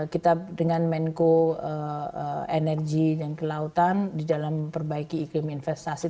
kita dengan menko energi dan kelautan di dalam memperbaiki iklim investasi